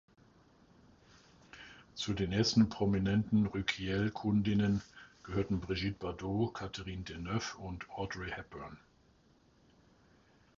Zu den ersten prominenten Rykiel-Kundinnen gehörten Brigitte Bardot, Catherine Deneuve und Audrey Hepburn.